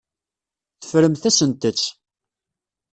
Teffremt-asent-tt.